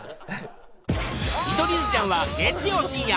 『見取り図じゃん』は月曜深夜